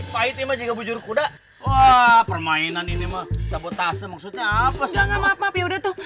pahit juga bujur kuda wah permainan ini mah sabotase maksudnya apa ya udah tuh